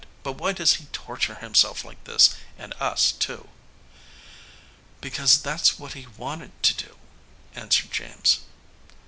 But why does he torture himself like this, and us, too?" "Because that's what he wanted to do," answered James.